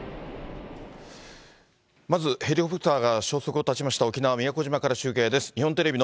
まずヘリコプターが消息を絶ちました、沖縄・宮古島から中継です。